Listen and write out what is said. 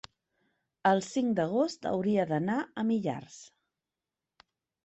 El cinc d'agost hauria d'anar a Millars.